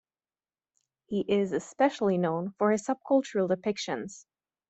He is especially known for his subcultural depictions.